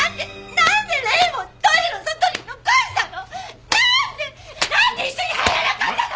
なんでなんで一緒に入らなかったの！？